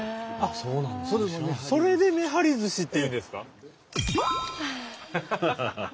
それで「めはりずし」っていうんですか！